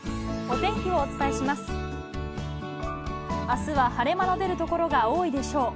あすは晴れ間の出る所が多いでしょう。